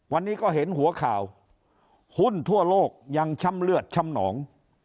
วันนี้ก็เห็นหัวข่าวหุ้นทั่วโลกยังช้ำเลือดช้ำหนอง